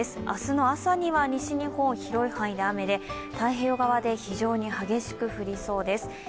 明日の朝には西日本、広い範囲で雨で太平洋側で非常に激しく降りそうです。